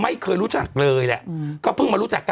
ไม่เคยรู้จักเลยแหละก็เพิ่งมารู้จักกัน